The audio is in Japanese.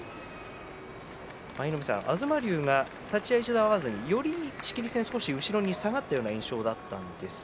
舞の海さん東龍が立ち合い合わずにより仕切り線後ろに下がったような印象でしたね。